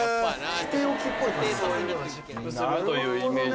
湿布するというイメージ。